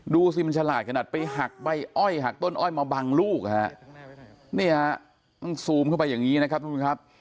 ดูสิมันฉลาดขนาดไปหักใบอ้อยหักต้นอ้อยมาบังลูกฮะนี่ฮะต้องซูมเข้าไปอย่างนี้นะครับทุกผู้ชมครับ